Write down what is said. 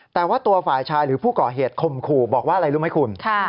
แต่ว่าตัวฝ่ายชายหรือผู้ก่อเหตุคมขู่บอกว่าอะไรรู้ไหมคุณ